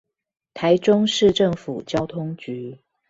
臺中市政府交通局